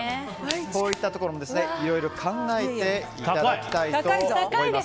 こういったところも、いろいろ考えていただきたいと思います。